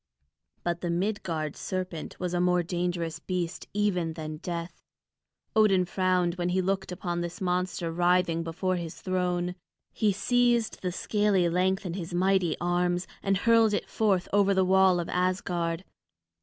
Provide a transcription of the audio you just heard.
But the Midgard serpent was a more dangerous beast even than Death. Odin frowned when he looked upon this monster writhing before his throne. He seized the scaly length in his mighty arms and hurled it forth over the wall of Asgard.